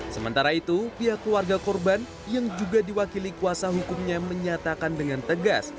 sementara itu pihak keluarga korban yang juga diwakili kuasa hukumnya menyatakan dengan tegas